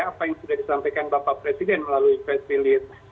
apa yang sudah disampaikan bapak presiden melalui press release